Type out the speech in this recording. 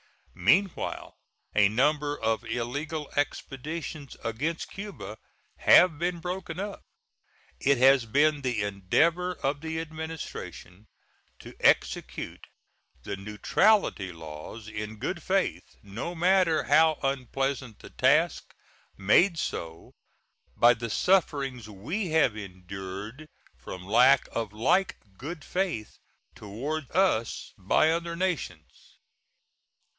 Meanwhile a number of illegal expeditions against Cuba have been broken up. It has been the endeavor of the Administration to execute the neutrality laws in good faith, no matter how unpleasant the task, made so by the sufferings we have endured from lack of like good faith toward us by other nations.